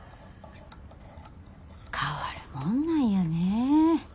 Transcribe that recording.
変わるもんなんやね。